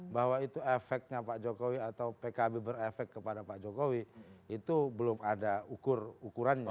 bahwa itu efeknya pak jokowi atau pkb berefek kepada pak jokowi itu belum ada ukur ukurannya